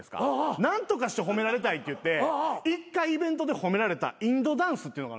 何とかして褒められたいって言って１回イベントで褒められたインドダンスっていうのがあるんですよ。